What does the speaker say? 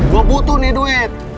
gua butuh nih duit